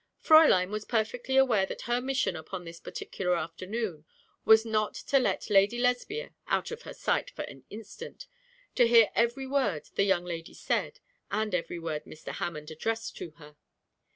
Fräulein was perfectly aware that her mission upon this particular afternoon was not to let Lady Lesbia out of her sight for an instant, to hear every word the young lady said, and every word Mr. Hammond addressed to her.